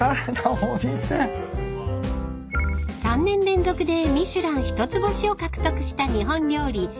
［３年連続で『ミシュラン』１つ星を獲得した日本料理］